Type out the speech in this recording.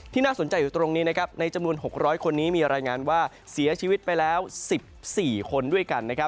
น่าสนใจอยู่ตรงนี้ในจำนวน๖๐๐คนนี้มีรายงานว่าเสียชีวิตไปแล้ว๑๔คนด้วยกัน